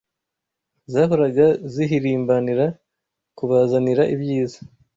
zahoraga zihirimbanira kubazanira ibyiza